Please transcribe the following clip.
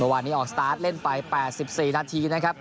วันนี้ออกสตาร์ทเล่นไป๘๔นาทีนะครับ